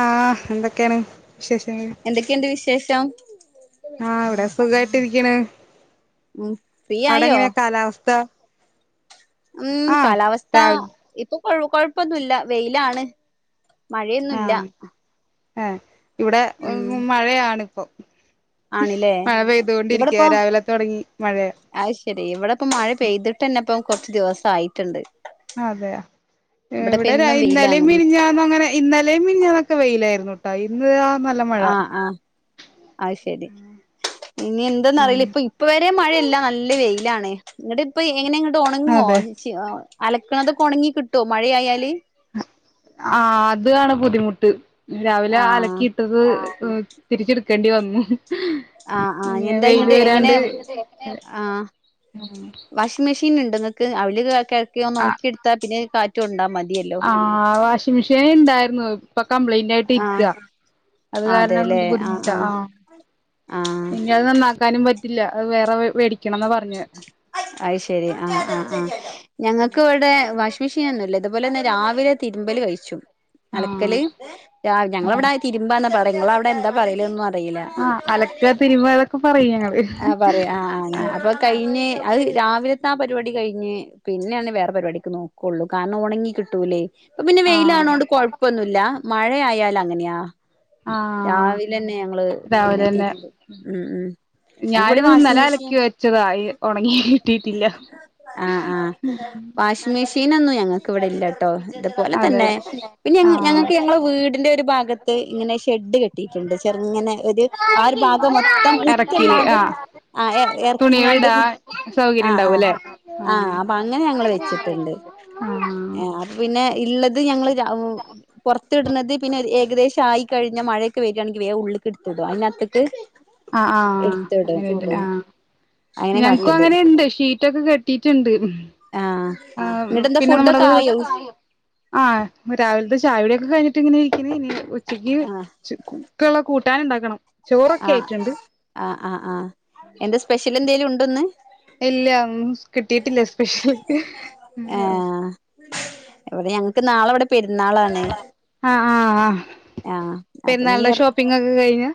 ആ എന്തൊക്കെയാണ് വിശേഷങൾ എന്തൊക്കെയുണ്ട് വിശേഷം ആ ഇവിടെ സുഖായിട്ടിരിക്കുന്നു ഉം ഫ്രീ അവിടെ ആയോ എങ്ങനെയാ കാലാവസ്ഥയോ ഉം കാലാവസ്ഥ രാവിലെ ഇപ്പൊ കൊ കൊഴപ്പൊന്നുല്ല വെയിലാണ് മഴയൊന്നുല്ല ആഹ് ഇവിടെ ഉം മഴയാണിപ്പോ ആണില്ലേ മഴ പെയ്തുകൊണ്ടിരിക്കയ രാവില തുടങ്ങി മഴയാ അതുശെരി ഇവിടെ ഇപ്പ മഴ പെയ്തിട്ട്ന്നെപ്പ കൊറച്ച ദിവസം ആയിട്ടുണ്ട് അതെയ ഇവിടെപ്പ ഇവിടെ എന്നും ഇന്നലെ വെയിലാണ് മിനിഞ്ഞാന്നും അങ്ങനെ ഇന്നലെ മിനിഞ്ഞാന്നൊക്കെ വെയിയിലായിരുന്നു ട്ടാ ഇന്ന് നല്ല മഴ ആഹ് ആഹ് അയ് ശരി ഇനി എന്താന്ന് അറിയില്ല ഇപ്പ ഇപ്പ വരെ മഴയില്ല നല്ല വെ വെയിലാണെ ഇങ്ങട്ട് ഇപ്പ എങ്ങനെ ഇങ്ങട്ട് ഒണങ്ങുവോ അതെ അലക്കണത് ഒക്കെ ഒണങ്ങി കിട്ടുവൊ മഴയ ആയാല് ആഹ് അതാണ് ബുദ്ധിമുട്ട് രാവിലെ ആഹ് അലക്കിയിട്ടത് തിരിച്ചെടുക്കേണ്ടി വന്നു ആഹ് ആഹ് ഇനി എന്താ വെയില് ഇങ്ങട് എങ്ങനെ വരാണ്ട് ആ വാഷിം മെഷീ ടിന്ന്ണ്ടൊ ഇങ്ങക്ക്. അവില് കെ കെട്ക്കി ആഹ് ഒന്നൊൺക്കി ഇട്ത്താ പിന്നെ കാറ്റു കൊണ്ടാ മത് ആഹ് വാഷിം മെഷീന് ഇണ്ടായിരുന്നു ഇപ്പ കംപ്ലൈന്റ് ആയിട്ട് ആഹ് ഇരിക്ക്യ. അത് കാരണം കൊണ്ട് ബുദ്ധിമുട്ടാ. ആഹ് ആഹ് ഇഞ് അത് നന്നാക്കാനും പറ്റില്ല. അത് വേറെ വെ വേടിക്കണംന്നാ പറഞ്ഞെ അയ് ശെരി ആഹ് ആഹ് ആഹ്. ഞങ്ങക്ക് ഇവടെ വാഷിം മെഷീൻ ഒന്നുല്ല. ഇതുപോലെന്നെ രാവിലെ തിരുമ്പല് കഴിച്ചും. അലക്കല് ആഹ് രാ ഞങ്ങളവിടെ ആഹ് തിരുമ്പ ന്നാ പറയ നിങ്ങള് അവിടെന്താ പറല് ഒന്നും റിയില്ല ആഹ് അലക്ക തിരുമ്മ അതൊക്കെ പറയും ഞങ്ങള് ആ പറയ് അ ഞാൻ കയിഞ്ഞ് അത് രാവിലത്തെ ആ പരിപാടി കഴിഞ്ഞ് പിന്നെയാണ് വേറെ പരിപാടിക്ക് നോക്കുള്ളു കാരണം ഉണങ്ങി കിട്ടൂലേ ഇപ്പൊ പിന്നെ ആഹ് വെയിലാന്നൊണ്ട് കൊഴപ്പൊന്നുല്ല മഴയയാൽ അങ്ങനെയാ ആഹ് രാവിലെന്നെ ഞങ്ങള് രാവിലെ പിന്നെ തന്നെ തുരുമ്പും ഉം ഉം ഞങ്ങക്കിവിടെ ഞാനിത് വാഷിംഗ് ഇന്നലെ മെഷീൻ അലക്കി വെച്ചതാ ഒണങ്ങി ട്ടിട്ടില്ല ഷീനൊന്നും ഞങ്ങക്ക് ഇവ്ടെ ഇല്ല ട്ടോ ഇതുപോലെ അതെ തന്നെ പിന്നെ ആഹ് ഞങ്ങക്ക് ഞങ്ങളെ വീടിന്റെ ഒരു ഭാഗത്ത് ത്ത് ഇങ്ങനെ ഷെഡ് കെട്ടിയിട്ട്ണ്ട് ചെറ്ങ്ങനെ ഒര് ആ ഒരു ഭാഗം മൊത്തം എറക്കില് ഉറ്റല്ലാതെ ആഹ് ആ എ എറക്കിങ്ങാണ്ട് തുണികളിടാ സൗകര്യം ആഹ ആഹ് ഉണ്ടാവൂല്ലേ ആഹ് അപ്പൊ അങ്ങനെ ഞങ്ങള് വെച്ചിട്ട്ണ്ട് ആഹ് അപ്പൊ പിന്നെ ഇള്ളത് ഞങ്ങള് രാവ് പൊറത്തിട്ണത് പിന്നെ ഏകദേശം ആയി കഴിഞ്ഞ മഴയൊക്കെ വരുവാണെങ്കി വേഗം ഉള്ളിക്ക്ട്തിടും അയിനത്ത്ക്ക് ആ ആഹ് അങ്ങനെയണ്ട് ആഹ് അങ്ങനെ ഞ ക്കും കാട്ടല് അങ്ങനെണ്ട് ഷീറ്റൊക്കെ കെട്ടിട്ട്ണ്ട് ആഹ് ആ ഇങ്ങട്ടെന്താ പിന്നെ ഫുഡൊക്കെ ആയോ നമ്മട്ത് ആ രാവിലത്തെ ചായകുടിയൊക്കെ കഴിഞ്ഞിട്ട് ഇങ്ങനെ ഇ നി ഉച്ചക്ക് ആഹ് ച്ച് കു ക്കുള്ള കൂട്ടാൻ ഉണ്ടാക്കണം ചോറൊക്കെ ആഹ് ആയിട്ടുണ്ട് ആ ആ ആഹ് എന്താ സ്പെഷ്യൽ എന്തെലും ഉണ്ടോന്ന് ഇല്ല ഒന്നും കിട്ടിട്ടില്ല സ്പെഷ്യല് ഇവ്ടെ ഞങ്ങക്ക് നാളെവ്ടെ നാളെ ആഹ് ആഹ് ആഹ് പെരുന്നാളിന്റെ ഷോപ്പിംങ്ങ് ഒക്കെ കഴിഞ്ഞോ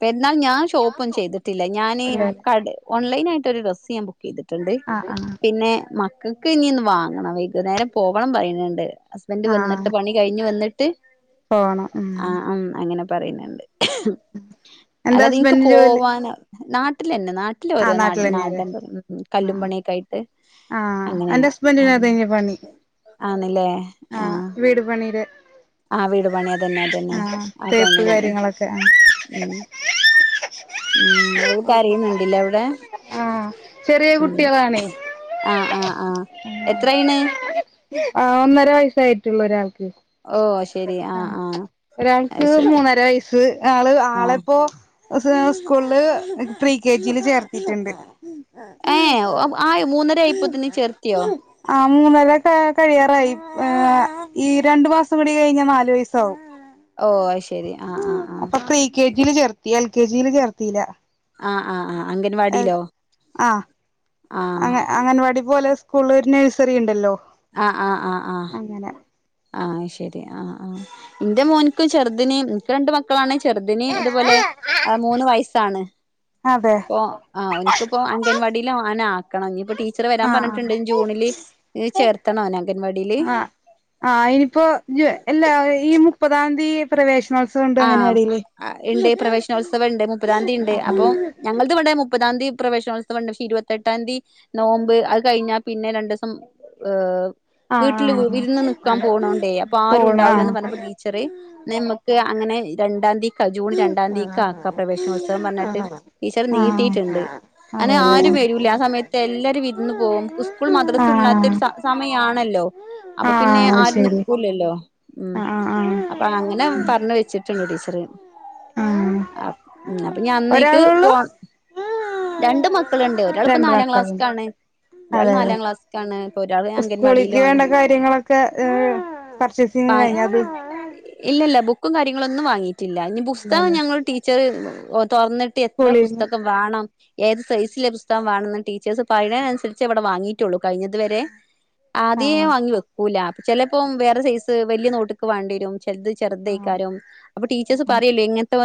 പെരുന്നാളിന് ഞാൻ ഷോപ്പും ചെയ്തിട്ടില്ല ഞാന് ഇല്ലല്ലേ കടെ ഓൺലൈനായിട്ട് ഒരു ഡ്രസ്സ് ഞാൻ ബു ക്ക് ചെയ്തിട്ട്ണ്ട് ആ ആ പിന്നെ മക്കക്ക് ഇനി ഒന്ന് വാങ്ങണം വൈകുന്നേരം പോകണം പറയ്ണ് ണ്ട് ഹസ്ബൻഡ് ആ വന്നിട്ട് പണി കഴിഞ്ഞു വന്നിട്ട് പോണം ഉം ആ അങ്ങനെ പറയ്ണ് ണ്ട് എന്റെ അല്ലാതെ ഇനിക്ക് ഹസ്ബൻഡ് ജോലി പോവാനോ നാട്ടിലന്നെ നാട്ടില് ആ ഓരോ നാ നാട്ടിൽ നാടൻ ഉം കല്ലും പണിയൊക്കെ ആയിട്ട് ആഹ് അങ്ങനെ എന്റെ ഹസ്ബന്റിനും ആണ് അതന്നെ പണി ആണ്ല്ലേ ആഹ് വീട് പണിടെ ആ വീട് പണി അതന്നെ അതന്നെ ആ തേപ്പ് പണിന്നെ കാര്യങ്ങളൊക്കെ ആ ഉം ഉം ഓള് കരയുന്നുണ്ടിലെ അവിടെ ആഹ് ചെറിയ ഉം കുട്ടികളാണേ ആഹ് ആഹ് ആഹ് എത്ര ആയിണ് ആ ഒന്നര വയസ്സായിട്ടുള്ളു ഒരാൾക്ക് ഓ ശെ ആ ഒരാൾക്ക് മൂന്നര വയസ്സ് ആള് ആഹ് ആളെപ്പോ [unintelligible] സ്കൂളില് പ്രീ കെ ജി യില് ചേർത്തിട്ടുണ്ട്. ഏഹ് അവ് ആയോ മൂന്നര ആയിപ്പോത്തിന് ചേർത്തിയോ? ആഹ് മൂന്നര കാ കഴിയാറായി. ഏഹ് ഈ രണ്ടു മാസം കൂടി കഴിഞ്ഞാൽ നാല് വയസാവും. ഓ അത് ശരി ആഹ ആഹ് ആഹ ഇതിൽ ചേർത്തി എൽ കെ ജിയില് ചേർത്തില്ല ആഹ് ആഹ് ആഹ് അംഗൻവാടിയിലോ ആഹ ആഹ് അ അങ്ങനവാടി പോലെ കുള്ളൂർ നഴ്സറി ഉണ്ടല്ലോ ആഹ് ആഹ് ആഹ് ആഹ് അങ്ങനെ ആഹ് ശരി ആഹ് ആ എന്റെ മോനിക്കും ചെർദിനും എനിക്ക് രണ്ട് മക്കളാണ് ചെ ർദിന ഇതുപോലെ മൂന്ന് വയസ്സാണ് അതെ ഇപ്പ ആഹ ഒ നക്ക്പ്പോ അംഗൻവാടി ഇല്ല അവന ആക്കണം ഇനിയിപ്പൊ ടീച്ചർ വരാൻ ആഹ് ആഹ് പറഞ്ഞിട്ടുണ്ട് ജൂണില് ചേർത്തണോ അവ ആഹ് ആഹ് അയിനിപ്പോ [unintelligible] ഈ മുപ്പതാംതി പ്രവേശ് ത്സം ഉണ്ട് അംഗൻവാടി യില് അഹ് ഇണ്ട് പ്രവേശനോത്സവം ഇണ്ട് മുപ്പതാംതി ഇണ്ട്. അപ്പം ഞങ്ങൾത് വടെ മുപ്പതാംതി പ്രവേശനോത്സവം ഉണ്ട് പക്ഷേ ഇരുപത്തെട്ട തി യതി നോമ്പ് അത് കഴിഞ്ഞാൽ പിന്നെ രണ്ടീസം ഏഹ് വീട്ടിൽ ആഹ് വിരുന്ന് ആഹ് നിക്കാൻ പോണോണ്ടേ അപ്പൊ പോണം ആരുണ്ടാവൂലാന്ന് പറഞ്ഞപ്പ ടീച്ചറ് നെമ്മക് അങ്ങനെ രണ്ടാം തി ജൂൺ രണ്ടാം തീയതിക്ക് ആക്ക പ്രവേശനോത്സവം പറഞ്ഞിട്ട് ടീച്ചർ ആഹ് നീട്ടിയിട്ടുണ്ട് ആഹ് അനെ അതെ അതെ ആരും വരൂല. ആ സമയത്ത് എല്ലാരും വിരുന്ന് പോവും. സ്കൂൾ മദ്രസും ആഹ് ഇള്ളാത്തൊരു സ സമയാണല്ലോ അപ്പൊ പിന്നെ ആഹ് അത് ആരും ശരി നിക്കൂലല്ലോ. ഉം ആഹ് ആഹ് അപ്പൊ അങ്ങനെ പറഞ് വെച്ചിട്ടുണ്ട് ടീച്ചറ് ആഹ് ആഹ് ആ ഇന്ന പ്പോ ഞാൻ അന്നേക്ക് പോ ഒരാളൊള്ളൂ രണ്ട് മക്കള്ണ്ട് ഒരാളിപ്പോ രണ്ട് നാലാം മക്കളുണ്ട് ക്ലാസ്സിക്കാണ്. ഒരാൾ അതെ അതെ നാലാം ക്ലാസ്സ്ക്കാണ് ഒരാൾ സ്കൂളിക്ക് അംഗൻവാടിയിലും ആണ്. വേണ്ട കാര്യങ്ങളൊക്കെ ഏഹ് പർച്ചേസിങ് ആ കഴിഞ്ഞത് ഇല്ലല്ല ബു ക്ക് ബു ക്കും കാര്യങ്ങളൊന്നും വാങ്ങിട്ടില്ല ഇനി പുസ്തകം ഇല്ലല്ലേ ഞങ്ങള് ടീച്ചർ തൊർന്നിട്ട് എത്ര സ്കൂളിന്ന് പുസ്തകം വേണം ഏത് സൈസിലെ പുസ്തകം വേണെന്ന് ടീച്ചേഴ്സ് പറയുന്ന അനുസരിച്ച് അവിടെ വാങ്ങീയിട്ടുള്ളൂ കഴിഞ്ഞതു വരെ ആദ്യേ ആഹ് വാങ്ങി വെക്കൂല ചിലപ്പോ വേറെ സൈസ് വലിയ നോട്ടേക്ക് വണ്ടി വരും ചെ ലത് ചെറുത് ആഹ് കാരം. അപ്പൊ ടീച്ചേഴ്സ് ആഹ് പറയല്ലോ ഇങ്ങൻത്തെ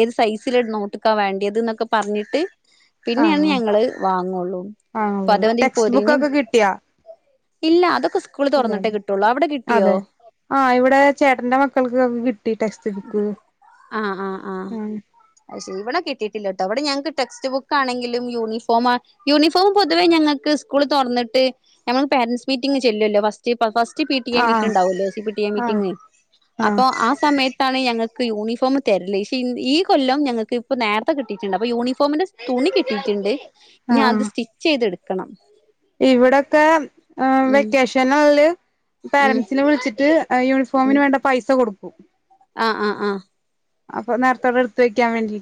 ഏത് സൈസില ഒരു ന്നോട്ടക്കാണ് വേണ്ടിയത് എന്നൊക്കെ പറഞ്ഞിട്ട് പിന്നെയാണ് ആഹ് ഞങ്ങള് വാങ്ങൊള്ളൂ. ആണല്ലേ ടെക്സ്റ്റ് ബുക്കൊക്കെ [unintelligible] കിട്ടിയാ ഇല്ല അതൊക്കെ സ്കൂൾ തൊറന്നിട്ടേ ഇല്ലല്ലേ കിട്ടുള്ളൂ. അവിടെ കിട്ടിയോ? അതെ ആഹ് ഇവിടെ ചേട്ടന്റെ മക്കൾക്കൊക്കെ കിട്ടി ടെക്സ്റ്റ് ബുക്ക് ആഹ ആഹ ആഹ ഉം ഇവിടെ കിട്ടീട്ട് ഇല്ലാട്ടോ ഇവിടെ ഞങ്ങക്ക് ടെക്സ്റ്റ് ബുക്ക് ആണെങ്കിലും യൂണിഫോം യൂണിഫോം പൊതുവെ ഞങ്ങൾക്ക് സ്കൂൾ തൊർന്നിട്ട് ഞമ്മൾ പാരൻസ് മീറ്റിംങ് ചെല്ലോല്ലോ ഫസ് first P T A meet ആഹ് ഉണ്ടാവു ലോ സി പി ടി എ ആഹ് മീറ്റിംഗ ആഹ് അപ്പൊ ആ സമയത്ത് ഞങ്ങക്ക് യൂണിഫോം തരല്. ക്ഷി ഈ കൊല്ലം ഞങ്ങൾക്ക് ഇപ്പോ നേരത്തെ കിട്ടിട്ടുണ്ട്. അപ്പൊ യൂണിഫോം ഫോമിന്റെ തുണി കിട്ടിയിട്ട്ണ്ട്. ഇനി അത് സ്റ്റിച്ച് ചെയ്തെടുക്കണം ഇവിടൊ ഉം ക്കെവെക്കേഷൻുള്ളില് ഉം പോരൻറസിനെ വിളിച്ചിട്ട് യൂണിഫോമിന് വേണ്ട പൈസ കൊടുക്കും ആഹ ആ ആഹ അപ്പൊ നേരത്തോടെ എടുത്ത് വെക്കാൻ വേണ്ടി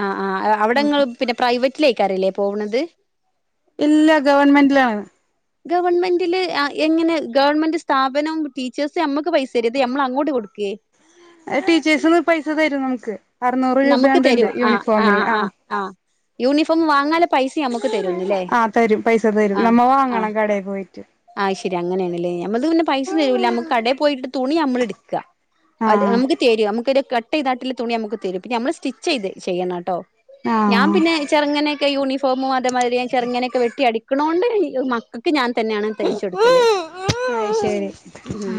ആ ആ അവിടെങ്ങ പിന്നെ പ്രൈവറ്റില് അയ്കാര്യം പോവണത് ഇല്ല ഗവൺമെന്റിലാണ് ഗവൺമെന്ില് എങ്ങനെ ഗവൺമെന്റ് ഗവണ്മെന്റില് ആഎങ്ങനെ ഗവണ്മെന്റ് സ്ഥാപനവും ടീച്ചേഴ്സും നമ്മുക്ക് പൈസയത രുകയോ ഇതു നമ്മൾ അങ്ങോട്ട് കൊടുക്കും ക്കെ അത് ടീച്ചേഴ്സി പൈസ തരും നമുക്ക് അറനൂറ് രൂപയാ നമുക്ക് ണ്ട്ഉ ണ്ട് തരും ആഹ് യൂണിഫോമിന് ആഹ് ആ ആഹ് ആഹ് യൂണിഫോം വാങ്ങാല പൈസ നമുക്ക് തരുന്നില്ലേ ആഹ് തരും പൈസ തരും നമ്മ വാങ്ങണം കടയിൽ പോയിട്ട് ആഹ ശരി അങ്ങനെയാണ്ലെ ഞമ്മൾത് പിന്നെ പൈസ തരൂല നമ്മ്ക്ക് കടെപോയിട്ട് തുണി നമ്മള് എട് ക്ക അ ആഹ് നമ്മ്ക്ക് തരും നമ്മ്ക്ക് ര് കട്ട് കട്ടയ്ത്താണ്ട്ട്ട്ല്ലെ തുണി നമ്മ്ക്ക് തരും പിന്നെ നമ്മള് സ്റ്റിച്ചയ്ത് ചെയ്യണം ട്ടോ ഞാൻ ആഹ് പിന്നെ ചെറങ്ങനൊക്കെ യുണി ഫോമ് അതേമാതിരി ചെറുങ്ങനൊക്കെ വെട്ടി അടിക്കണോണ്ട് മക്കൾക്ക് ഞാൻ തന്നെയാണ് തയ്ച്ചു കൊടുക്കല് ആയ് ശരി ഉം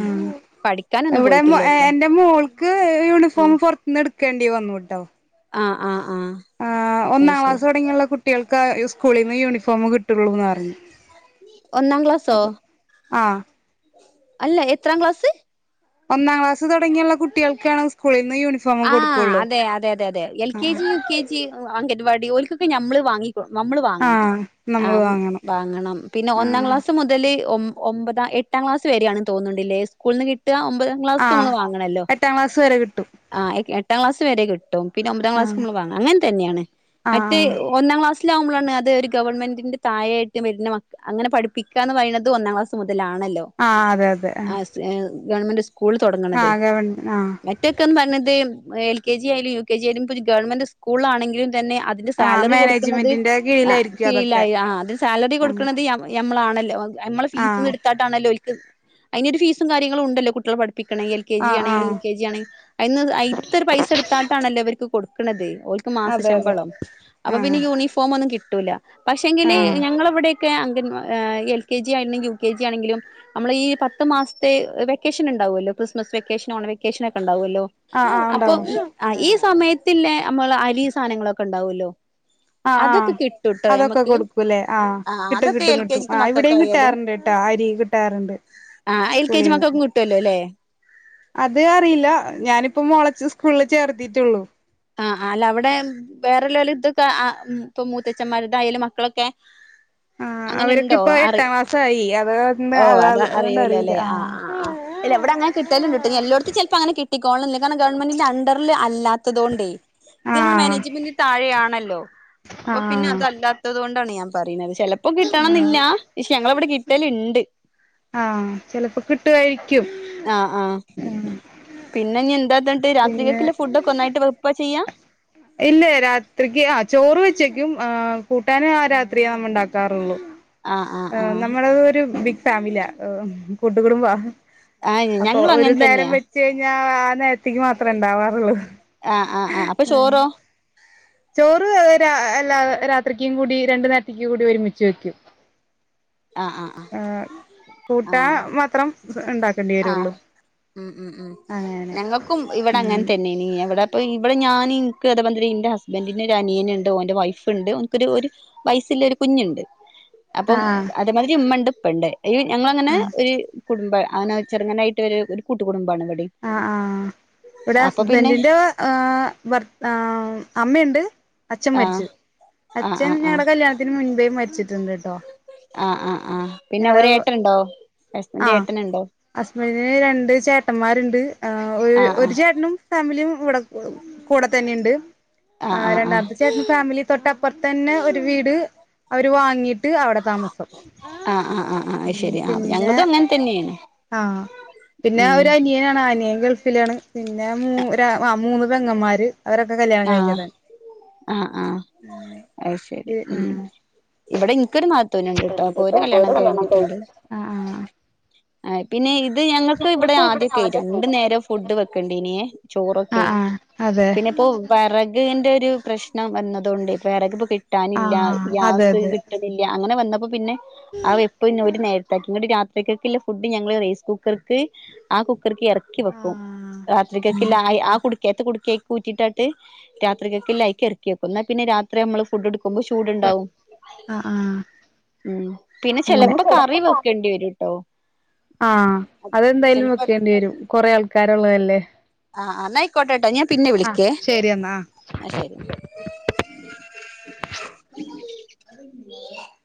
ആ പഠിക്കാനൊന്നും ഇവടെ പോയിട്ടില്ലട്ടോ എൻറെ മോൾക്ക് യൂണിഫോം ആഹ് പൊർത്ത്ന്ന് എടുക്കേണ്ടി വന്നു ട്ടോ ആ് ആ ആ ഒന്നാം ക്ലാസ് തൊടങ്ങിയുള്ള കുട്ടികൾക്ക് സ്കൂളിന്ന് യൂണിഫോമ് കിട്ടൊള്ളൂന്ന് പറഞ്ഞ് ഒന്നാം ക്ലാസോ ആഹ് അല്ല എത്രാം ക്ലാസ് ഒന്നാം ക്ലാസ് തൊടങ്ങിയുള്ള കുട്ടികൾക്കാണ് സ്കൂളിൽ നിന്ന് യൂണിഫോം ആ കൊടുക്കുള്ളൂ അതെ അതെ അതെ അതെ എൽ കെ ആഹ് G U K G anganwadi ഓൽക്കൊക്കെ ഞമ്മള് വാങ്ങി നമ്മള് വാങ്ങണം ആഹ് ആ നമ്മള് വാങ്ങണം പിന്നെ ഒന്നാം ആഹ് ക്ലാസ് മുതല് ഒമ്പ ഒമ്പതാം എട്ടാം ക്ലാസ് വരെയാണന്ന് തോന്നുന്നുണ്ട്ല്ലേ സ്കൂൾ ന്ന് കിട്ട് ട്ടാ ഒമ്പതാം ക്ലാസ്ക് ആഹ് നമ്മള് വാങ്ങണല്ലോ എട്ടാം ക്ലാസ് വരെ കിട്ടും ആഹ് എട്ടാം ക്ലാസ് വരെ കിട്ടും പിന്നെ ഒമ്പതാം ക്ലാസ് ആഹ് നമ്മള് വാങ്ങ അങ്ങനെ തന്നെയാണ് മറ്റ് ആഹ് ഒന്നാം ക്ലാസ് തിലാവുമ്പളാണ് അത് ഒരു ഗവൺമെന്റിന്റെ താഴെ ട്ട് വരുന്ന മക്ക അങ്ങനെ പഠിപ്പിക്കാന്ന് പറയുന്നത് ഒന്നാം ക്ലാസ് മുത തിലാണല്ലോ ആഹ് അതെ അതെ ആസ് ഏ ഗവൺമെന്റ് സ്കൂള് തൊടങ്ങ്ണത് ആഹ് ഗവൺ ആഹ് മറ്റൊക്ക്‌ ന്ന് പറഞ്ഞ എൽ കെ ജി ആയാലും യു കെ ജി ആയാലും ഇപ്പൊരു ഗവൺമെന്റ് സ്കൂള് ആണെങ്കിലും തന്നെ അതിന്റെ ആഹ് സാലറി കൊടുക്ക്‌ണത് മാനേജ്മെന്റിന്റെ ആ കീഴിലായിരിക്കും അതൊക്കെ കിഴിലായി ആ അതി സാലറി ആഹ് കൊടുക്കുന്നത് യ യമ്മളാ ണല്ലോ നമ്മളെ ആഹ് ഫീസ്ന്ന് എട്ത്താട്ടാണല്ലോ ഓൽക്ക് അയിന് ഫീസും കാര്യങ്ങളും ഉണ്ടല്ലോ കുട്ട്യേളെ പഠി പ്പിക്ക്‌ണേ എൽ കെ ജി ആഹ് യാണങ്കിലും ആഹ് യു കെ ജി യാണ അയിന്ന് അയ്ത്തൊരു പൈസ എടുത്താണ്ടണല്ലോ ഇവർക്ക് കൊടുക്കുന്നത് ഓൽക്ക് മാസ അതെ അതെ ശമ്പളം അപ്പൊ ആഹ് പിന്നെ യൂണിഫോമൊന്നും കിട്ടൂല പക്ഷെങ്കില് ആഹ് ഞങ്ങളവിടെ കെ അംഗൻ എൽ കെ ജി ആയിരുന്നങ്കിൽ യു കെ ജി ആണെങ്കിലും നമ്മള് ഈ പത്ത് മാസത്തെ വെക്കേഷന്ണ്ട് ഇണ്ടാവല്ലോ ക്രിസ്മസ് വെക്കേഷനും ഓണ വെക്കേഷനും ഒക്കെ ഇണ്ടാവല്ലോ ആഹ് ആഹ് അപ്പൊ ഉണ്ടാവും ഇ ഈ സമയത്തില്ലേ നമ്മള് അരി സാധനങ്ങളൊക്കെ ഇണ്ടാവല്ലോ ആ ആ അതൊക്കെ കൊടുക്കുല്ലേ ആ കിട്ടും അതൊക്കെ കിട്ടും എൽ കെ കിട്ടും ജിത്തെ ആ ഇവിടെയും കിട്ടാറുണ്ട് കിട്ട അരി കിട്ടാറുണ്ട് ആഹ് എൽ കെ ജി സ്കൂളീന്ന് മക്കക്കും കിട്ടല്ലോ ല്ലേ അത് അറിയില്ല ഞാനിപ്പം മോളച്ച് സ്കൂള് ചേർത്തിട്ടൊള്ളു ആഹ അല്ല അവടെ വേറെല്ലോല് ഇതൊക്കെ ആ ഇപ്പം മൂത്തച്ഛമാരുടെതായാലും മക്കളെക്കെ ആ അവർക്ക്പ്പം എട്ടാം ക്ലാസായി അത് ഓ അത അത് അതുകൊണ്ട് അറിയില്ല അറിയുലല്ലെ ആ ആഹ് ആ ഇല്ല ഇവടെ അങ്ങനെ കിട്ടലുണ്ട്ട്ടോ എല്ലോട്ത്തും ചെലപ്പോ അങ്ങനെ കിട്ടികോളണന്നി അതാണ് ഗവൺമെന്റിന്റെ അണ്ടർല് അല്ലാത്തതോണ്ടേ ഇത് നമ്മള് ആഹ് മാനേജ്മെന്റിന് താഴെയാണല്ലോ അപ്പൊ പിന്നെ ആഹ് അതല്ലാത്തത് കൊണ്ടാണ് ഞാൻ പറിണത് ചെലപ്പോ കിട്ടണന്നില്ല ക്ഷേ ഞങ്ങളവടെ കിട്ടല്ണ്ട് ആഹ ചെലപ്പോ കിട്ടുവായിരിക്കും ആ് ആഹ ഉം പിന്നെ ഇഞ്ഞ് എന്താ ത്ണ്ട് രാത്രികക്ക്ല്ലെ പിന്നെ ഫുഡ്ക്കെ ഒന്നായിട്ട് വെപ്പ ചെയ്യാ ഇല്ല രാത്രിക്ക് ആ ചോറ് വെച്ചേക്കും ആ കൂട്ടാനും ആ രാത്രിയാവുമ്പോ ഇണ്ടാക്കാറൊള്ളു ആഹ് ആഹ് ആഹ് നമ്മളത് ഒരു ബിഗ് ഫാമിലിയാ കൂട്ടുകുടുംബാ ആഹ് അപ്പൊ ഞങ്ങളും ഒരു അങ്ങനെ നേരം തന്നെയാ വെച്ച് കഴിഞ്ഞാ ആ നേരത്തേക്ക് മാത്രേ ഇണ്ടാവാറൊള്ളു ആഹ ആ ആ അപ്പൊ ചോറോ ചോറ് എല്ലാ രാത്രിക്കും കൂടി രണ്ട് നേരതിക്കി കൂടി ഒരുമിച്ച് വെക്കും ആഹ് ആഹ് ആ കൂട്ടാ മാത്രം ഉണ്ടാക്കേണ്ടി ആ വരുള്ളൂ ഉം ഉം ഉം അങ്ങനെ ഞങ്ങൾക്കും ഇവടെ അങ്ങനെ ഉം തന്നെ നീ ഇവടെ അപ്പൊ ഇവടെ ഞാനിൻക്ക് അതെമാതിരി ഇന്റെ ഹസ്ബന്റ്റ്ന് ഒരനിയന് ഇണ്ട് ഓന്റെ വൈഫ് ഇണ്ട് ഓൻക്കൊരു ഒരു വയ് ലൊരു കുഞ്ഞ്ണ്ട് അപ്പം ആഹ് അതേമാതിരി ഇമ്മണ്ട് ഇപ്പണ്ട് ഈ ഞങ്ങളങ്ങനെ ആഹ് ഒരു കുടുംബ അങ്ങനെ ചെറുങ്ങനായിട്ട് വ ഒരു കൂട്ടുക കുടുംബാണ് ഇവിടെ ആ ഇവിടെ ഹസ്ബൻറിന്റെ ആർ അമ്മയുണ്ട് അച്ഛൻ ആഹ് മരിച്ചത് ആഹ് അച്ഛൻ ആഹ് ആഹ് ഞങ്ങളുടെ കല്യാണത്തിന് മുൻപേ മരിച്ചിട്ടുണ്ട് കേട്ടോ ആഹ് ആഹ ആഹ് പിന്നെ ഒ ഏട്ട ഉണ്ടോ ആഹ അസ്ബന്റിന് രണ്ട് ചേട്ടന്മാരുണ്ട് ആ ഒരു ആഹ് ഒരു ആഹ് ചേട്ടനും ഫാമിലിയും ഇവിടെ കൂടെ തന്നെുണ്ട് ആഹ് ആ ആഹ് ആഹ് രണ്ടാമത്തെ ചേട്ടൻ ഫാമിലി തൊട്ട്പ്പുറത്ത തന്നെ ഒരു വീട് അവര് വാങ്ങിട്ട് ട്ട് അവിടെ താമസം ആഹ് ആഹ് ആഹ് ആഹ് ശരി ആഹ് പിന്നെ ഞങ്ങളതും അങ്ങനെ തന്നെയാണ് ആഹ പിന്നെ ഉം ഒരു അനിയനാണ്ന പിന്നെ ഗൾഫിലാണ് പിന്നെ മ മൂന്ന് പെങ്ങമാര് അവരൊക്കെ കല്യാണം ആഹ് കഴിഞ്ഞതാണ് ആഹ് ആഹ അ ശരി ഉം ആഹ് ഇവിടെ നിനിക്കൊരു മഹത്വനുണ്ട് കേട്ടോ അപ്പൊ ഒരു കല്യാണം കഴിഞ്ഞിട്ടുണ്ട് ആ പിന്നെ അത് ഞങ്ങൾക്ക് ഇവിടെ ആദ്യൊക്കെ ആയി രണ്ടു നേരം ഫുഡ് വെക്കണ്ടണ്ട് ഇനിയേ ചോറൊക്കെ ആഹ് ആഹ് ആഹ് ആയി ആഹ് അതെ വിറകിന്റെ ഒരു പ്രശ്നം വന്നതുകൊണ്ട് വിറക് പ്പൊ കി കിട്ടാനില്ല ആഹ് അതെ ഗ്യാസ് അതെ കിട്ടണില്ല അങ്ങനെ വന്നപ്പോ പിന്നെ അവ എപ്പ ഇന്നര് നേരത്താക്കി ഇങ്ങട്ട് രാത്ക്കൊക്കെള്ള ഫുഡ് ഞങ്ങള് റൈസ് കുക്കർക്ക് ആ കു ഇറക്കി വെക്കും ആഹ് ഉം രാത്രിരിക്കൊക്ക ആ കുടിക്കത്ത കുടക്കിയക്കി കൂറ്റിട്ട് രാത്രികൊക്ക ല ഇറക്കിെക്കുന്ന പിന്നെ രാത്രി നമ്മള് ഫു് എ കൊ്പോ ചൂടുണ്ടാവും ആഹ് ആഹ് ഉം പിന്നെ അങ്ങനെ ചെിലപ്പോ കറി വെക്കേണ്ടി വരൂട്ടോ ആഹ അതെന്തായാലും വെക്കേണ്ടി വരും കൊറെേ ആൾക്കാരുള്ളതല്ലേ ആഹ എന്നായിക്കോട്ടെട്ടോ ഞാൻ പിന്നെ ആഹ് വിളിക്കേ ശരി എന്നാ ആഹ് ആ ശരി [unintelligible]